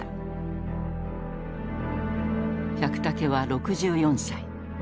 百武は６４歳。